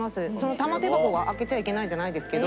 玉手箱は開けちゃいけないじゃないですけど。